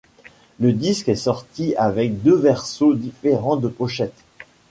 Le disque est sorti avec deux versos différents de pochettes.